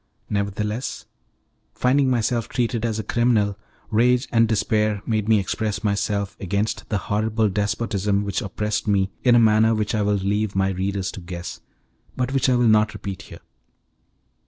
Nevertheless, finding myself treated as a criminal, rage and despair made me express myself against the horrible despotism which oppressed me in a manner which I will leave my readers to guess, but which I will not repeat here.